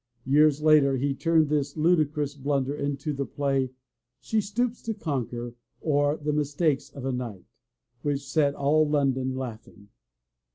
Years later he turned this ludicrous blunder into the play She Stoops to Conquer or The Mistakes of a Nighty' which set all London laughing.